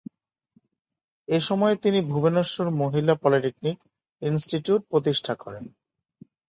এসময়ে, তিনি ভুবনেশ্বর মহিলা polytechnic institute প্রতিষ্ঠা করেন।